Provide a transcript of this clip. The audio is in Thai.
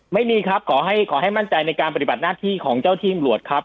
ไม่มีครับขอให้มั่นใจในการปฏิบัติหน้าที่ของเจ้าที่อำรวจครับ